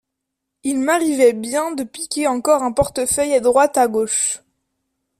Il m’arrivait bien de piquer encore un portefeuille à droite à gauche